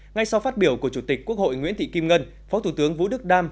ngay sau phát biểu của chủ tịch quốc hội nguyễn thị kim ngân phó thủ tướng vũ đức đam